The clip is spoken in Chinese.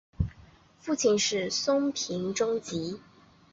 父亲是松平忠吉。